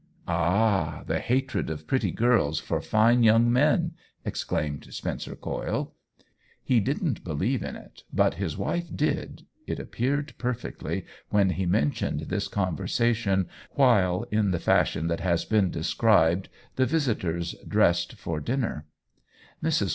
" Ah, the hatred of pretty girls for fine young men !" exclaimed Spencer Coyle. He didn't believe in it, but his wife did, it appeared perfectly, when he mentioned this conversation while, in the fashion that has been described, the visitors dressed for OWEN WINGRAVE IQI dinner. Mrs.